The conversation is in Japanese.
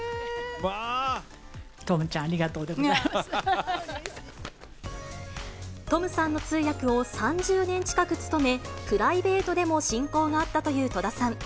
トムちゃん、トムさんの通訳を３０年近く務め、プライベートでも親交があったという戸田さん。